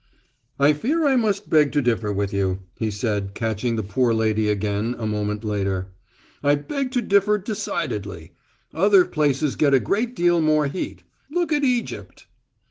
"I fear I must beg to differ with you," he said, catching the poor lady again, a moment later. "I beg to differ decidedly. Other places get a great deal more heat. Look at Egypt."